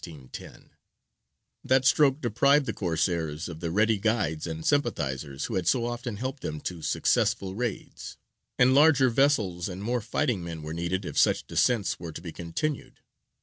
That stroke deprived the Corsairs of the ready guides and sympathisers who had so often helped them to successful raids, and larger vessels and more fighting men were needed if such descents were to be continued.